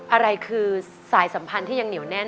อะไรคือสายสัมพันธ์ที่ยังเหนียวแน่น